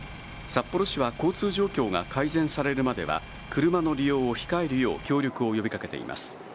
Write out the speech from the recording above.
札幌市は交通状況が改善されるまでは、車の利用を控えるよう協力を呼びかけています。